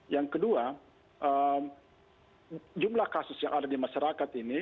yang kedua jumlah kasus yang ada di masyarakat ini